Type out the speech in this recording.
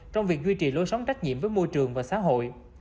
trong việc duy trì lối sống trách nhiệm với môi trường và xã hội